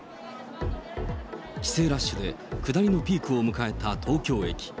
帰省ラッシュで下りのピークを迎えた東京駅。